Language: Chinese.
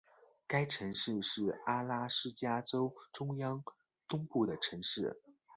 该城市是阿拉斯加州中央东部的城市。